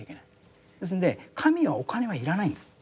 ですんで神はお金は要らないんです。